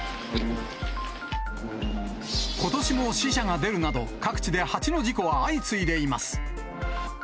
ことしも死者が出るなど、各地でハチの事故は相次いでいます。